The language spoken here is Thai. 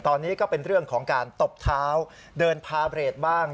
ตอนนี้ก็เป็นเรื่องของการตบเท้าเดินพาเบรดบ้าง